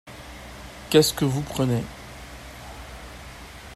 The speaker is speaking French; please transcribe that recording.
Qu'est-ce que vous prenez ?